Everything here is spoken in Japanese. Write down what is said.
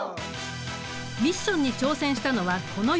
ミッションに挑戦したのはこの４人。